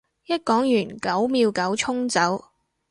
一講完九秒九衝走